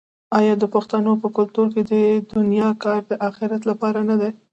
آیا د پښتنو په کلتور کې د دنیا کار د اخرت لپاره نه دی؟